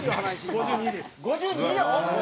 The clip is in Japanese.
「５２です」